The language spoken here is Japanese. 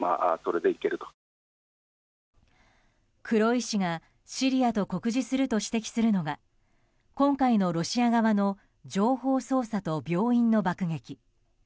黒井氏がシリアと酷似すると指摘するのが今回のロシア側の情報操作と病院の爆撃。